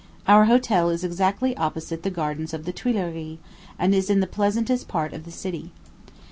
Our hotel is exactly opposite the gardens of the Tuileries, and is in the pleasantest part of the city.